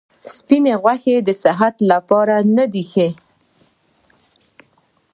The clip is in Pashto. سپیني غوښي د صحت لپاره نه دي ښه.